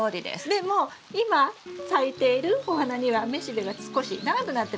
でも今咲いているお花には雌しべが少し長くなってますね。